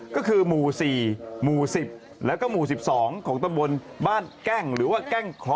ก็คือหมู่๔หมู่๑๐แล้วก็หมู่๑๒ของตำบลบ้านแก้งหรือว่าแก้งเคราะ